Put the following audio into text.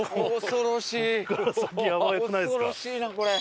恐ろしいなこれ。